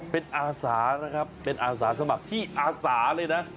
เป็นอาสานะครับเป็นอาสาสมัครที่อาสาเลยนะ